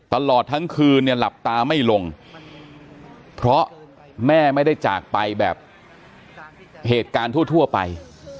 ตลอดทั้งคืนเนี่ยหลับตาไม่ลงเพราะแม่ไม่ได้จากไปแบบเหตุการณ์ทั่วไป